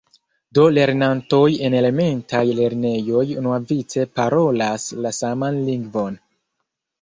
Do lernantoj en elementaj lernejoj unuavice parolas la saman lingvon.